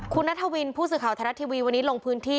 คุณนัทวินผู้สื่อข่าวไทยรัฐทีวีวันนี้ลงพื้นที่